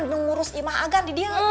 adu ngurus imah agan di dia